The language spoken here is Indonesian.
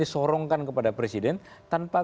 disorongkan kepada presiden tanpa